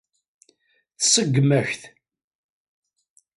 Tseggem-ak-t.